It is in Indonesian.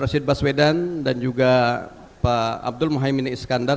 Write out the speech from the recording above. pak rasid baswedan dan juga pak abdul muhammad iskandar